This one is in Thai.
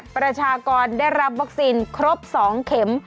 ประชากรได้รับวัคซีนครบ๒เข็ม